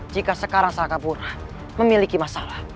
jika sekarang sakapura memiliki masalah